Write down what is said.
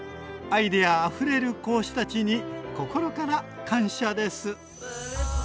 アイデアあふれる講師たちに心から感謝です。